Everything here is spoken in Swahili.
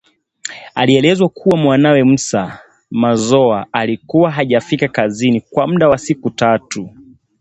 Alielezwa kuwa mwanawe Musa Mazoa alikuwa hajafika kazini kwa muda wa siku tatu